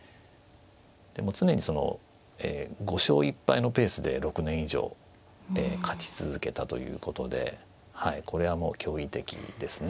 でもう常にその５勝１敗のペースで６年以上勝ち続けたということではいこれはもう驚異的ですね。